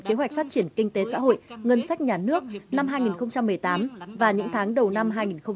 kế hoạch phát triển kinh tế xã hội ngân sách nhà nước năm hai nghìn một mươi tám và những tháng đầu năm hai nghìn một mươi chín